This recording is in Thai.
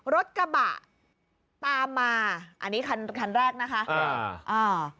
รถกระบะตามมาอันนี้คันแรกนะคะ